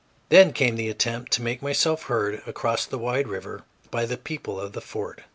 ] Then came the attempt to make myself heard across the wide river by the people of the fort.